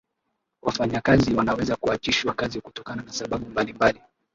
wafanyakazi wanaweza kuachishwa kazi kutokana na sababu mbalimbali